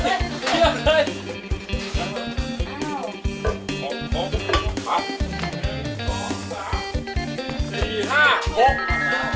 เสร็จไหม